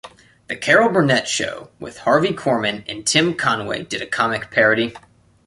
"The Carol Burnett Show" with Harvey Korman and Tim Conway did a comic parody.